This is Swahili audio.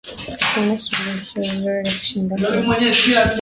Hakuna suluhisho zuri kushinda hili.